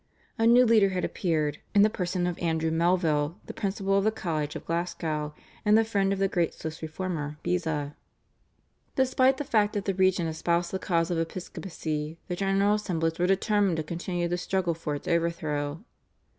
A new leader had appeared in the person of Andrew Melville, the Principal of the College of Glasgow, and the friend of the great Swiss Reformer, Beza. Despite the fact that the regent espoused the cause of episcopacy the General Assemblies were determined to continue the struggle for its overthrow.